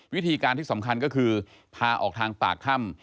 วิธีการที่สำคัญก็คือพาออกทางปากถ้ำ